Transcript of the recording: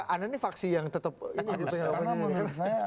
ada nih faksi yang tetap ini gitu ya